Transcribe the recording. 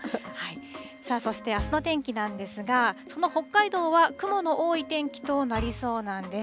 さあ、そしてあすの天気なんですが、その北海道は、雲の多い天気となりそうなんです。